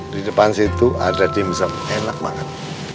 di depan situ ada dimsum enak banget